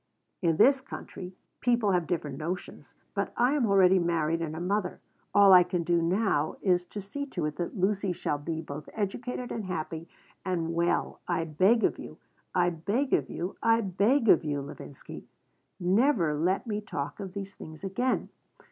In this country people have different notions. But I am already married and a mother. All I can do now is to see to it that Lucy shall be both educated and happy, and, well, I beg of you, I beg of you, I beg of you, Levinsky, never let me talk of these things again.